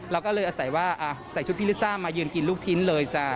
เราก็เลยใส่ชุดพี่ลิซ่ามาเยือนกินลูกชิ้นเลย